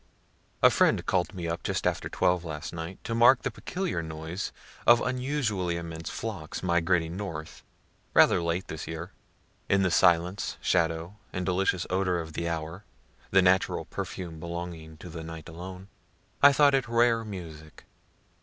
A friend called me up just after 12 last night to mark the peculiar noise of unusually immense flocks migrating north (rather late this year.) In the silence, shadow and delicious odor of the hour, (the natural perfume belonging to the night alone,) I thought it rare music.